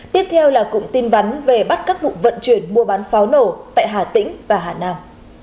tiếp theo là cụm tin vắn về bắt các vụ vận chuyển mua bán pháo nổ tại hà tĩnh và hà nam